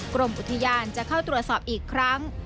กรมอุทยานจะเข้าตรวจสอบอีกครั้ง